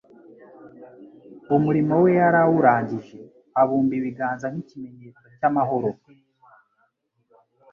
Umurimo we yari awurangije, abumba ibiganza nk'ikimenyetso cy'amahoro,